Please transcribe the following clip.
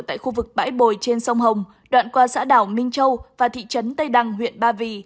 tại khu vực bãi bồi trên sông hồng đoạn qua xã đảo minh châu và thị trấn tây đăng huyện ba vì